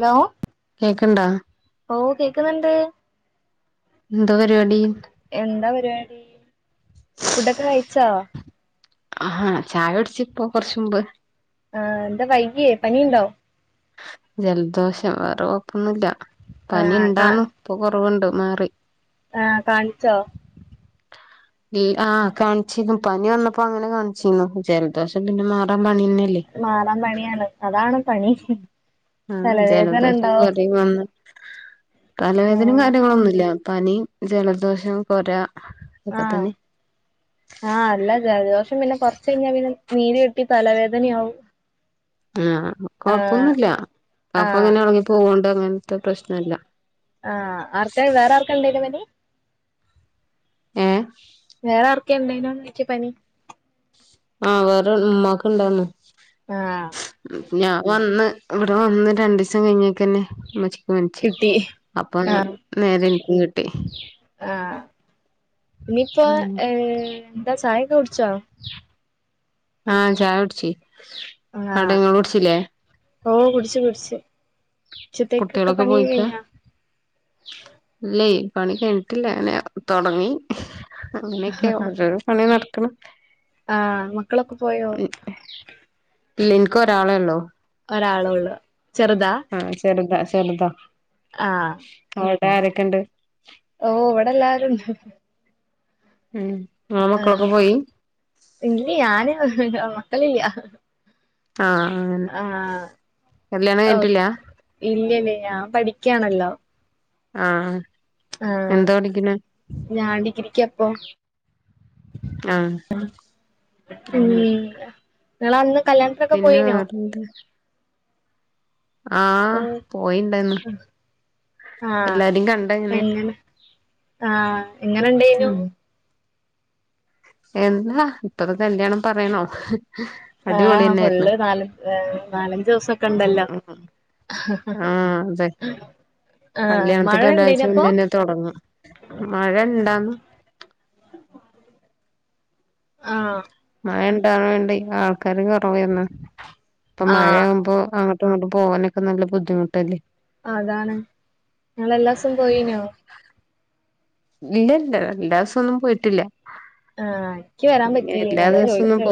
Hello കേക്ക്ണ്ടോ ഓ കേക്കുന്നുണ്ട് എന്തുവാ പരിപാടി എന്താ പരിപാടി ഫുഡൊക്കെ കഴിച്ചോ ആഹ് ചായ കുടിച്ചു ഇപ്പോ കൊറച്ച് മുമ്പ് ആഹ് എന്താ വൈകിയേ പനിയുണ്ടോ ജലദോഷം വേറെ കൊഴപ്പൊന്നില്ല പനി ആഹ് കാ ഉണ്ടാവന്ന് ഇപ്പൊ കൊറവുണ്ട് മാറി ആഹ് കാണിച്ചോ ആഹ് കാണിച്ചിരുന്നു പനി വന്നപ്പോ അങ്ങനെ കാണിച്ചിരുന്നു ജലദോഷം പിന്നെ മാറാൻ പനിത ന്നല്ലേ മാറാൻ പണിയാണ് അതാണ് പണി ആഹ് തലവേദന ജലദോഷം ഉണ്ടോ കൊരയും വന്ന് ഉം തലവേദനയും കാര്യങ്ങളൊന്നുമില്ല പനി ജലദോഷം കൊര- ഒക്കെ ആഹ് തന്നെ ആഹ് അല്ല ജലദോഷം പിന്നെ കൊറച്ച് കഴിഞ്ഞാൽ പിന്നെ നീര് കെട്ടി തലവേദനയാവും ആഹ് ആഹ് കൊഴപ്പൊന്നുമില്ല കഫം ആഹ് ഇങ്ങനെ എളകി പോവണ്ട് അങ്ങനത്തെ പ്രശ്നയില്ല ആഹ് ആർക്കാ വേറെ ആർക്കാ ഉണ്ടായേ പനി ഏയെ വേറെ ആർക്കെ എണ്ടേ [unintelligible] നോണ്ടക്ക് പനി ആഹ് വേറെ ഉമ്മാക്ക ഇണ്ടാരുന്നു ആഹാ ഞാൻ വന്ന് ഇവിടെ വന്ന് രരണ്ട് ദിവസം കഴിഞ്ഞക്ക് തന്നെ ഉമ്മച്ചി - പനിച്ച് കിട്ടി അപ്പൊ ആഹ് നേരെ എനിക്കും കിട്ടി ആഹ് ഇനിയിപ്പോ ഉം ഏ എന്താ ചായക്കെ കുടിച്ചോ ആഹ് ചായ കുടിച്ചു അവിടെ നിങ്ങള് കുടിച്ചില്ലേ ഓഹ് കുടിച്ചു കുടിച്ചു ഉച്ചത്തേക്ക്ക്കെ കുട്ടികളൊക്കെ പണിയൊക്കെ കഴി പോയിക്കാ ഞ്ഞോ ഇല്ലേ പണി കഴിഞ്ഞിട്ടില്ല അങ്ങനെ തൊടങ്ങി അങ്ങനെയക്കെയ ഓരോരോ പണി നടക്കണു ആഹ് മക്കളൊക്കെ പോയോ ഇല്ല എനിക്ക് ഒരാളെ ഉള്ളൂ ഒരാള് ഉള്ളൂ ചെറുതാ ആ ചെറുതാ ചെറുതാ ആഹ് അവിടെ ആരൊക്കെ ഒണ്ട് ഓഹ് അവിടെ എല്ലാരും ഒണ്ട് ഉം ഇങ്ങ്ളെ മക്കളൊക്കെ പോയി ഇല്യാ ഞാന് മക്കളില്ലാ ആഹ് ആ അങ്ങനെ കല്യാണം കഴിഞ്ഞിട്ടില്ലാ? ഇല്ലെല്യാ ഞാൻ പഠിക്യാണല്ലോ ആഹ് ആഹ എന്താ പഠിക്കണെ ഞാൻ ഡിഗ്രിക്ക്യാപ്പം ആഹ് ഉം അങ്ങനെ നിങ്ങള് അന്ന് കല്യാണത്തിന്ക്കെ പിന്നെ പോയിനോ? വേറെന്താ ആഹ പോയിണ്ടേന്ന് എല്ലാരിം കണ്ടെങ്ങനെ ആഹ എങ്ങനെ ഇണ്ടേനു ഉം എന്താ ഇപ്പത്തെ കല്യാണം പർയണോ ആ ഫുള് നാലെ ഏഹ് നാലെഞ്ചേസം ക്കെണ്ടല്ലോ ആഹ് അതെ ആ മഴെയ്തിനോ അപ്പൊ തൊടങ്ങാ മഴെ ഇണ്ടാവുമ്പോ ആ മഴ ഇണ്ടാവ്നോണ്ടേ ആൾക്കാരും കൊറെവേയ്ര്ന്നു ഇപ്പൊ മഴെ ആഹ് ആവുമ്പോ അ ങ്ങയും ഇങ്ങട്ടും പോവാനൊക്കെ നല്ലെ ബുദ്ധിമുട്ടല്ലേ അഹ അതാണ് ഇങ്ങള് എല്ലാസും പോയിന്യോ? ഇല്ലില്ലാഎല്ലാ ദിവസം ഒന്നും പോയിട്ടില്ല ആഹ ഇനിക്കി വെരാൻ പറ്റില്ല അതാ ചോദിച്ചത്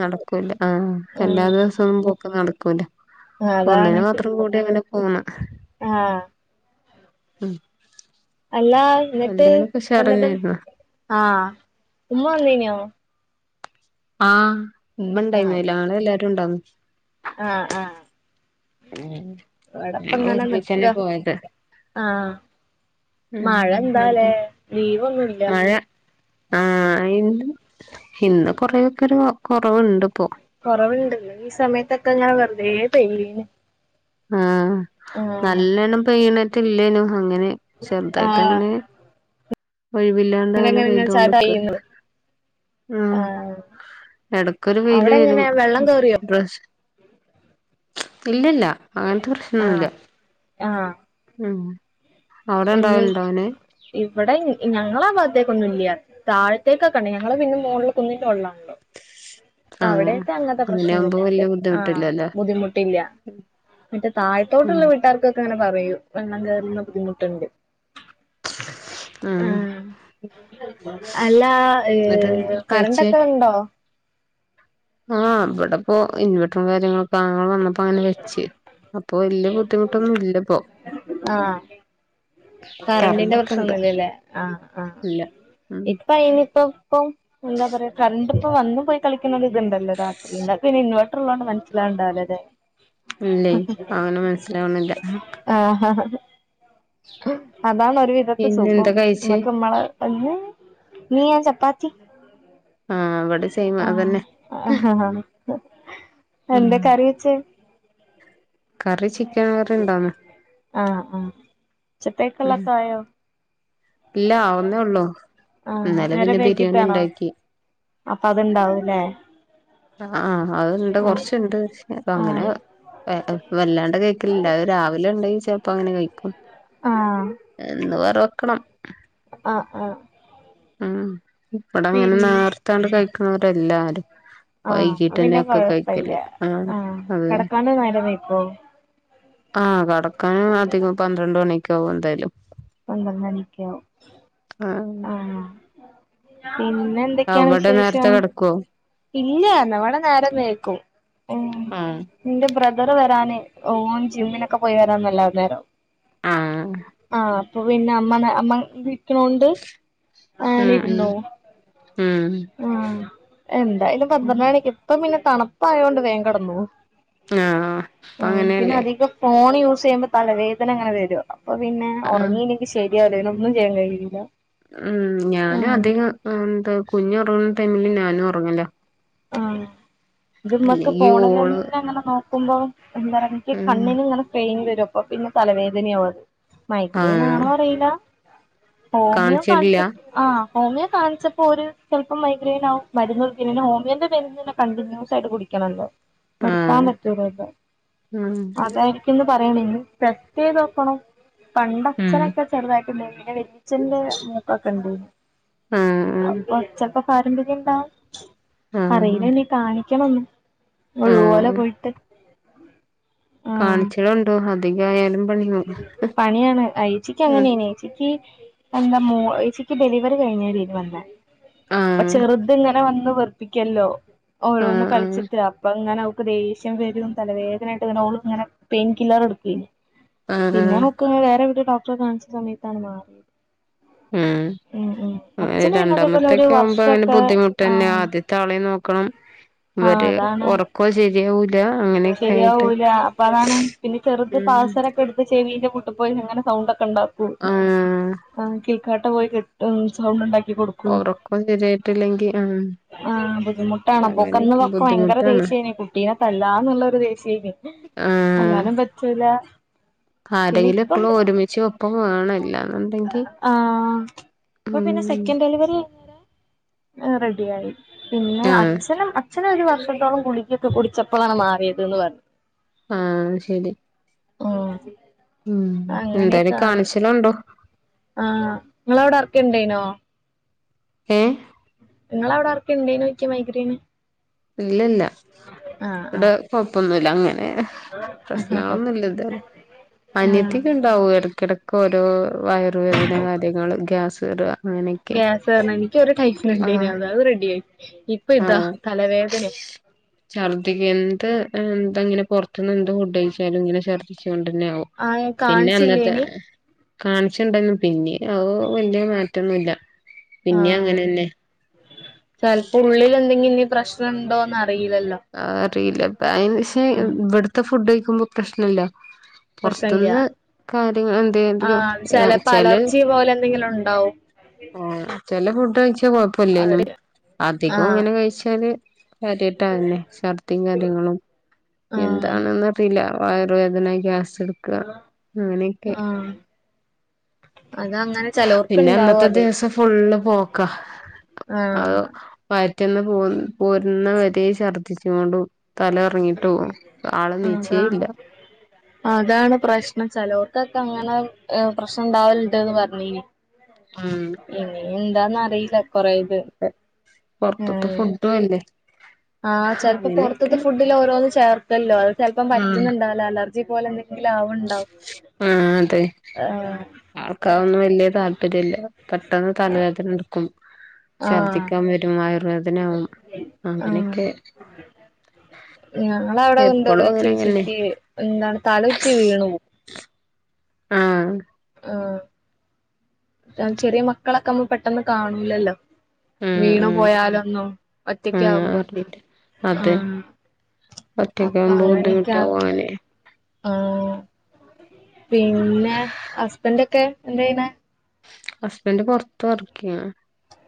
നടെക്കൂല്ല ആ എല്ലാ ദിവസവുന്നും പോക്ക് നടെക്കൂല ഒന്നിന് മാത്രം കൂടി അങ്ങനെ പോവ്ന്ന് ആഹ അല്ലാ ഇന്നട്ട് കല്യാണൊക്കെ ഇപ്പ ഇന്നട്ട് ഉഷാറന്നായിരുന്നു ആഹ ഉമ്മ വന്നീന്യോ ആഹ് ഇമ്മ ഇണ്ടായിരുന്നല്ലോ നങ്ങളെല്ലാരും ഇണ്ടാവുന്ന് ആഹ ആഹ ഞങ്ങള് ഇവടെപ്പങ്ങനെ ഒരുമിച്ചന്നെ നിക്കാ പോയത് ആഹ ഉം മഴെ എന്നിട്ട് എന്താലേ നീവൊന്നുല്ലാ ആഹ ഇന്ന്, ഇന്ന് കൊറേക്കെരു കൊറവുണ്ട് ഇപ്പോ കൊറവ്ണ്ട് ഈ സമയത്തൊക്കെ ഇങ്ങനെ വെറുതെ പെയ്യ്ണ് ആഹ നല്ലേണം പെയ്യ്ണ്റ്റെല്ലേനു അങ്ങനെ ആഹ് ചെറുതായിട്ടങ്ങനെ ഒഴിവില്ലാണ്ട് ഇങ്ങനെ അങ്ങനെ ഇങ്ങനെ ഇങ്ങനെ ചാറ്റ പെയ്തോക്ക് പെയ്യുന്നു ഉം, ആഹ് എടക്കൊരു വെയില് അവിടെ വരും എങ്ങനെ വെള്ളം കേറിയോ [unintelligible] ഇല്ലില്യാ അങ്ങെനത്തെ പ്രശ്നൊന്നുല്ല ആഹ ഉം അവിടെ എന്ത് ഇണ്ടാവലുണ്ടോ അങ്ങനെ ഇവെടെ ഞങ്ങളേ ഭാത്തേക്കൊന്നുല്യ അത് താഴ്ത്തേക്കൊക്കെ ഇണ്ട് ഞങ്ങള് പിന്നെ മോൾള് കുന്നിന്റെ മോള്ളാണല്ലോ അപ്പ ആഹ് അവിടെത്തെ അങ്ങത്തെ അങ്ങനെയാവുമ്പോ പ്രശ്നൊന്നില്ലാ അങ്ങട്ട് വല്യ ആഹ ബുദ്ധിമുട്ടില്ലല്ലോ ബുദ്ധിമുട്ടില്ലാ മറ്റേ ഉം താഴ്ത്തോട്ട്ള്ള വീട്ടാർ ക്കൊക്കെ അങ്ങനെ പറയൂ വെള്ളം കയറുന്ന ബുദ്ധിമുട്ട്ണ്ട് ആ ആഹ് അല്ലാ ഏഹ് എന്നിട്ട് കഴിച്ചേ കറന്റെക്കെ ഇണ്ടോ? ആഹ് ഇബടെപ്പോ ഇൻവർട്ടറും കാര്യങ്ങളൊക്കെ ആങ്ങള വന്ന പ്പൊ ആണ്ട് വെച്ച് അപ്പൊ വല്ല്യ ബുദ്ധിമുട്ടൊന്നും ഇല്ലപ്പോ ആഹ് കറണ്ടിന്റെ കറണ്ടൊക്കെ ഇണ്ട് പ്രശ്നൊന്നുല്ലല്ലേ ഇല്ല ഉം ഇപ്പൊ അയിനിപ്പം ഇപ്പം എന്താ പറയാ കറണ്ട് ഇപ്പ വന്ന് പോയി കളിക്ക്ണ ഒര് ഇത്ണ്ടല്ലോ രാത്രി ഇങ്ങക്ക് പിന്നെ ഇൻവേർട്ടർ ഇള്ളോണ്ട് മനസ്സിലാവ്ണ്ടാവൂലലെ ഇല്ലേയ് അങ്ങനെ മനസ്സിലാവുണില്ല ആഹ് ആഹ് അതാണ് ഒരു വിധോക്കെ പിന്നെ സുഖം എന്താ കഴിച്ചേ ഇങ്ങക്ക് മ്മളെ അയ്യോ ഇന്ന് ഞാൻ ചപ്പാത്തി ആഹ് ഇവിടെ സെയിം അതന്നെ ആഹ് [unintelligible] ഇന്ന് എന്താ ആഹ് കറി വെച്ചേ കറി ചിക്ക് ആഹ് ആഹ് ഉച്ചത്തേക്കുള്ളെ ഉം ഓക്കെ ആയോ ഇല്ല ആവുന്നേ ഒള്ളൂ ആഹ് ഇന്നലെ നേരം പിന്നെ ബിരിയാണി വൈകിട്ടാണോ ഇണ്ടാക്കി അപ്പൊ അതുണ്ടാവൂല്ലെ ആഹ് ആഹ് അത്ണ്ട് കൊറച്ച്ണ്ട് അപ്പ അങ്ങനെ ആഹ് അഹ് വല്ലാണ്ട് കഴിക്കലില്ല അത് രാവിലെ ഉണ്ടെങ്കിൽ ചെൽപ്പോ അങ്ങനെ കഴിക്കും ആഹ് എന്ന് വേറെ വെക്കണം ആഹ് ആഹ് ഉം ഇബടെ അങ്ങനെ പിൻ നേർത്താണ്ട് കഴിക്കുണോരാ എല്ലാരും ആഹ് അപ്പൊ പിന്നെ കൊഴപ്പല്ല ആഹ് കെടക്കാണ്ട് നേരം വൈക്കോ ആഹ് കെടക്കാനും അധികം പന്ത്രണ്ട് മണിയൊക്കെ ആകും എന്തായാലും പന്ത്രണ്ടണിക്കോ ആഹ് ആണോ പിന്നെ എന്തൊക്കെയാണ് അവിടെ നേരത്തെ വിശേഷം കിടക്കുവോ ഇല്ല ന്ന് വ്ടെ നേരം നേക്കും ഉം ആഹ് ഇന്റെ ബ്രദർ വരാന് ഓൻ ജിമ്മിനൊക്കെ പോയി വരാൻ നല്ല അ നേരം വൈകും ആഹ് ആഹ് അപ്പൊ പിന്നെ അമ്മ അമ്മ ട്ടോണ്ട് ഉം ആണ്ടിരുന്നോ ഉം ആഹ് എന്തായാലും ഉം പന്ത്രണ്ട് മണിക്ക് ഇപ്പം പിന്നെ തണുപ്പായോണ്ട് വേം കെടന്നോളും ആഹ് അപ്പ ആഹ് പിന്നെ അങ്ങനെയല്ലേ അധികം ഫോൺ യൂസ് ചെയ്യുമ്പോ തലവേദന ഇങ്ങനെ വരു അപ്പൊ പിന്നെ ആഹ് ഒറങ്ങീലെങ്കി ശരിയാവൂല പിന്നെ ഒന്നും ചെയ്യാൻ കഴിയൂല ഉം ഞാനും അധികം എന്താ കുഞ്ഞ് ഒറങ്ങുന്ന ടൈമില് ഞാനും ഒറങ്ങലാ ആഹ് ഇത് മ്മക്ക് അല്ലെങ്കി ഓള് ഫോണിലെന്നെ ങ്ങനെ നോക്കുമ്പോ എന്താറ ഇൻക്ക് ഉം കണ്ണിന് ഇങ്ങനെ പെയിന് വരും അപ്പൊ പിന്നെ തലവേദനയാവും അത് മൈഗ്രൻ ആഹ് ആണോ അറിയില്ല ഹോമിയോ കാണിച്ചിട്ടില്ല കാൺചെപ്പ ആഹ് ഹോമിയോ കാണിച്ചപ്പോ ഒരു ചെലപ്പം മൈഗ്രൈൻ ആവും മരുന്ന് പിന്നെ ഹോം മിയോന്റെ മരുന്ന് പിന്നെ കണ്ടിന്യൂസ് ആയിട്ട് കുടിക്കണല്ലോ നിർത്താൻ ആഹ് പറ്റൂലല്ലോ ഉം അതെ ന്ന് പറയണെങ്കിൽ പ്രത്യേകാക്കണം ഉം പണ്ടച്ഛനൊക്കെ ചെറുതായിട്ട് ണ്ടെനി പിന്നെ വലി അച്ചന്റെ മോക്കൊക്കെ ഇണ്ടേനി ആഹ് അപ്പൊ ചെലപ്പോ പാരമ്പര്യം ഇണ്ടാവും ആഹ് ആഹ് അറീലന്നീ കാണിക്കണം ന്ന് ഒഴിവോലെ ആഹ് പോയിട്ട് ആഹ് കാണിച്ചളാണ്ടൂ അധികയാലും പണിയാണ് അയച്ചിക്ക് ഉം അങ്ങനെനി യേച്ചി ച്ചിക്കി എന്താ മോ യേചിക്കി ഡെലിവറി കഴിഞ്ഞേരേനി വന്നേ അപ്പൊ ആഹ് ചെറുത് ഇങ്ങനെ വന്ന് വെറുപ്പിക്കല്ലോ ഓരോന്ന് ആഹ് ആഹ് കളിച്ചിട്ട് അപ്പൊ ഇങ്ങനെ ദേഷ്യം വരും തലവേദനായിട്ട് ഇങ്ങന ഓള്ങ്ങനെ പെയിൻകില്ലർ എടുക്കേനി ആഹ് പിന്നെ ആഹ് ഹക്ക് ഒന്നും വേറെവിടെ ഡോക്ടറെ കാണിച്ച സമയത്താണ് മാറിയത് ഉം ഏഹ് അച്ഛന് പിന്നെ അതേപോലെ ഒരു രണ്ടാമത്തൊക്കെ ആവുമ്പോ അങ്ങനെ വർഷൊക്കെ ബുദ്ധിമുട്ടെന്നെ ആഹ് ആദ്യത്തെ ആളെ നോക്കണം ആഹ് ഇവര് അതാണ് ഒറ ക്കോ സെരിയാവൂല ശരിയാവൂല അപ്പ അതാണ് പിന്നെ ചെറുത് ഉം പാസരൊക്കെട് പ്പ ചെവിന്റെ മൂട്ട് പോയി ഇങ്ങനെ സൗണ്ട് ഒക്കെണ്ടാക്കും ആഹ് ആഹ് കേൾക്കാട്ട പോയി കെട്ടും സൗണ്ട്ണ്ടാക്കി ഒറക്കും ശരിയായിട്ടില്ലെങ്കി ആഹ് ആഹ് ബുദ്ധിമുട്ടാണപ്പൊ ഓക്ക് അങ്ങനെയൊക്കെ അന്നൊക്കെ ഭയങ്കര ബുദ്ധിമുട്ടാണ് ദേഷ്യേനി കുട്ടീനെ തല്ലാ നുള്ളൊരു ദേഷേനി ആഹ് തല്ലാനും പറ്റൂല പിന്നെ ആരെങ്കിലും ഇപ്പം എപ്പളും ഒരുമിച്ച് ഒപ്പം വേണം ഇല്ലാന്ന്ണ്ടെങ്കി അപ്പൊ പിന്നെ സെക്കൻ് ഡെലിവറി കഴിഞ്ഞാരെ ആഹ് റെഡിയായി പിന്നെ ആഹ് അച്ഛനും അച്ഛന് ഒര് വർഷത്തോളം ഗുളികെക്കെ കുടിച്ചപ്പളാണ് മാറിയെ [unintelligible] പറഞ്ഞു ആഹ് ശെരി ആഹ് ഉം എന്തായാലും അങ്ങനെയൊക്കാണ് കാണിച്ചളോണ്ടോ ആഹ് ഇങ്ങളവ്ടെ എറ്ക്കിണ്ടേനോ ഏഹ് ഇങ്ങളവ്ടെ ആർക്കാ ഇണ്ടെയ്നെ ചോയ്ക്കാ മൈഗ്രയിന് ഇല്ലല്ല ആഹ് ഇവെടെ കൊഴ്പ്പൊന്നുല്ല അങ്ങനെ ആഹ് പ്രശ്നങ്ങളൊന്നുല്ലത് വെരെ ആഹ് അനിയത്തികണ്ടാവും എട്ക്കെടക്ക് ഓരോ വയറുവേദന കാര്യങ്ങള് ഗ്യാസ് കേറാ അങ്ങനെ ഗ്യാസെറ്ണെ നിക്ക് ഒര് ടൈമില്ണ്ടേനി അത് റെഡി ആയി ഇപ്പ ഇതാ തലവേദനയ് ഛർദ്ദിക്ക എന്ത് എന്തങ്ങനെ പൊറ്ത്ത്ന്ന് എന്ത് ഫുഡയ്ച്ചാലും ഇങ്ങനെ ഛർദ്ദിച്ച് കൊണ്ടന്നെ ആവും ആഹ് പിന്നെ അന്നത്തെ കാണിച്ചില്ലേനി കാണിച്ച്ണ്ടെന്നു പിന്നീട് അവ് വെല്ല്യെ മാറ്റൊന്നുല്ല പിന്നെ ആഹ് അങ്ങനെന്നെ ചെൽപ്പോ ഉള്ളിലെന്തെങ്കിലും ഇനി പ്രശ്നംണ്ടോന്ന് അറിയില്ലല്ലോ അറിയില്ലപ്പ അൻഷേ ആഹ് ഇവെട്ത്തെ ഫുഡയ്ക്കുമ്പോ പ്രശ്നല്ല പ്രശ്നല്ല പൊറ്ത്ത്ന്ന് കാര്യങ്ങൾ എന്തെ അധികം ആഹ് ചെലപ്പോ ചെലവ് അലർജി പോലെ എന്തെങ്കിലും ഉണ്ടാവും ആഹ് ചെല ഫുഡ് കഴിചാ കൊഴ് പ്പല്ലേനു അവര് അധികും ആഹ് ഇങ്ങനെ കഴിച്ചാല് കാര്യായ്ട്ട് അഹന്നെ ഛർധിം കാര്യങ്ങളും ആഹ് എന്താണെന്ന്റിയില്ല വയർവേദന ഗ്യാസ് ക്ക അങ്ങനെക്കെ ആഹ് അതങ്ങനെ ചെലോർക്ണ്ടാവും അത് ഫുള്ളും പോക്കാ ആഹ് വയ്റ്റിന്ന് പോ പോരുന്ന വരെ ഛർദ്ദിച് ങ്ങാണ്ടും തല കറങ്ങിട്ടും ആള് നീച്ചേ അതാ ഇല്ല അതാണ് പ്രശ്നം ചെലോർക്കക്കെ അങ്ങനെ ഏഹ് പ്രശ്നം ഇണ്ടാവലണ്ട്ന്ന് പറഞ്ഞിനി ഉം എന്താന്നറീല്ല കൊറേയിത് ഉം പൊറത്ത്ത്തെ [unintelligible] ആഹ് ചെൽപ്പോ പൊറ്ത്ത്ത്തെ അങ്ങനെയൊക്കെ ഫുഡിലൊരോന് ചേർത്തല്ലോ അത് ചെൽപ്പം ഉം പറ്റ്ന്ണ്ടാവ അലർജി പോലെ എന്തെങ്കിലും ആവ്ണ്ടാവും ആഹ് അതെ ആൾക്കതൊന്നും വെല്ല്യ താല്പര്യല്ല പെട്ടെന്ന് തലവെദനട്ക്കും ക്കും ആഹ് ഛർദിക്കാൻ വരും വയർ വേദനാവും അങ്ങനെക്കെ ഞങ്ങളവട ഉണ്ടോരു അങ്ങനെങ്ങനെ ചേച്ചിക്ക് എന്താണ് തലചുറ്റി വീണ് പോ ആഹ് ആഹ് ചെറിയ മക്കളക്കാവുമ്പ പെട്ടെന്ന് കാണൂലല്ലോ ഉം വീണ് ഉം പോയാലൊന്നും ഒറ്റക്ക് ആഹ് ആവുമ്പോ അറിയില്ല ആഹ് ഒറ്റക്കാവുമ്പ ബുദ്ധിമുട്ടാ പോവാന് ആഹ് പിന്നെ ഹസ്ബൻന്റ് ഒക്കെ എന്താ ചെയ്യ്ണെ ഹസ്ബൻഡ് പൊർത്ത് വർക്കയ്യാണ്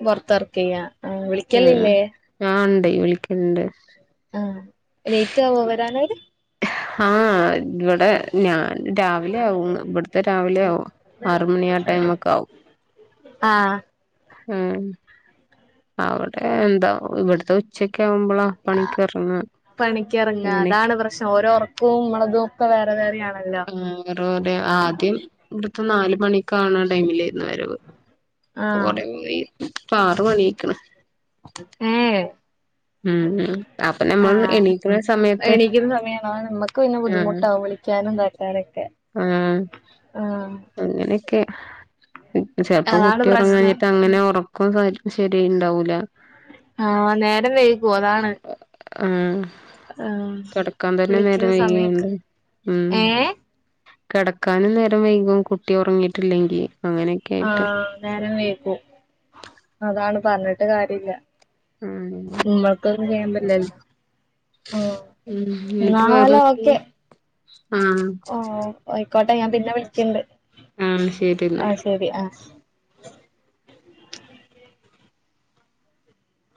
പൊർത്ത് വർക്കയ്യാ ഉം ഉം ആ ഇണ്ടെ വിളിക്കൽണ്ട് ആഹ് ലൈറ്റ് ആവോ വരാനയ്‌ത് ആ ഇവടെ ഞാന് രാവിലെ ആവും ഇവട്‌ത്തെ രാവിലെ ആവും ആറ് മണി ആ ടൈമക്ക ആവും ആഹ് ഉം അവ്ടെ എന്താ ഇവട്‌ത്ത ഉ ച്ചക്കാവുമ്പള പണിക്ക് എർങ്ങ അങ്ങനെക് പ്രശ ഓരോ ഒർ ഉപ്പും മോളോകോക്കെ വേറെ വേറെ ആണല്ലോ [unintelligible] ആദ്യം ഇവട്‌ത്ത നാല് മണി കാണാൻ ടൈമിലായിരുന്നു വരവ് ആ കൊറേ ഇപ്പ ആറ് മണി ആയിക്ക്ണ് ഏ ഏ ഉം ഉം അപ്പൊ നമ്മൾ ആഹ് എണീക്കണ സമയത്ത് എണീക്കുന്ന സമയാണ് ആ നമ്മക്ക് പിന്നെ ആഹ് ബുദ്ധിമുട്ടാവും വിളിക്ക്യാനും ഇതാ ക്കാനൊക്കെ ആഹ് അങ്ങനെക്കെ ചെൽപ്പ അതാണ് കുട്ടി പ്രശ്നം ഒർങാഞ്ഞിട്ട് അങ്ങനെ ഒറ ക്കു ശരി ആയി ഇണ്ടാവൂല ആഹ് നേരം വൈകോ അതാണ് ആഹ് ആ കട്‌ക്കാൻ തന്നെ നേരം വിളിക്കുന്ന സമയൊക്കെ വൈകിണ്ട് ഉം ഏ കടക്കാനും നേരം വൈകും കുട്ടി ഒർങ്ങിട്ടില്ലെങ്കി ആ നേരം വൈകു അതാണ് പർഞ്ഞിട്ട് കാര്യ ഇല്ല ഉം ഇമ്മക്കൊന്നും ചെയ്യാൻ പറ്റിലല്ലോ ഉം ന്നട്ട് പറഞ് എന്നാല് ആഹ് ആഹ് അയിക്കോട്ടെ ഞാൻ പിന്നെ വിളിക്ക്യണ്ട് ആ ശരി ന്ന